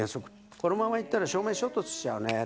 このまま行ったら正面衝突しちゃうね。